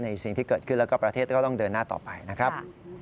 สิ่งที่เกิดขึ้นแล้วก็ประเทศก็ต้องเดินหน้าต่อไปนะครับ